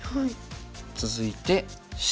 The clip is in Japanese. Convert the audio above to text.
続いてＣ。